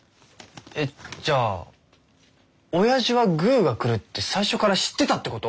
えっじゃあおやじはグーが来るって最初から知ってたってこと？